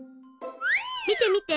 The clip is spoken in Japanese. みてみて！